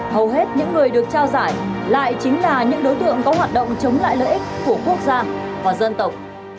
hầu hết những người được trao giải lại chính là những đối tượng có hoạt động chống lại lợi ích của quốc gia và dân tộc